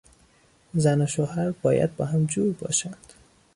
زن و شوهر باید با هم جور باشند.